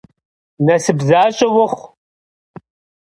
Насып защӏэ ухъу!